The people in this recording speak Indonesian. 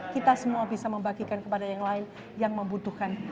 kita semua bisa membagikan kepada yang lain yang membutuhkan